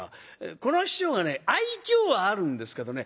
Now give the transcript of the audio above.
この師匠がね愛嬌はあるんですけどね